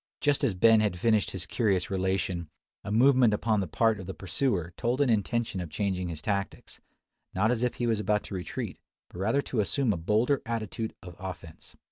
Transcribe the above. Just as Ben had finished his curious relation, a movement upon the part of the pursuer told an intention of changing his tactics, not as if he was about to retreat, but rather to assume a bolder attitude of offence.